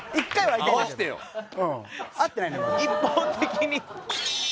一方的に。